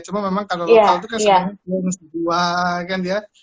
cuma memang kalau lokal itu kan semuanya kan ya